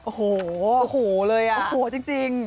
โอ้โหเลยอ่ะโอ้โหจริง